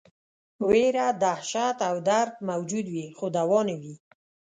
ویره، دهشت او درد موجود وي خو دوا نه وي.